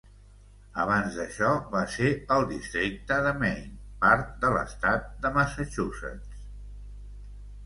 Abans d"això, va ser el districte de Maine, part de l"estat de Massachusetts.